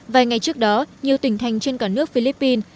vài ngày trước đó nhiều tỉnh thành trên cả nước philippines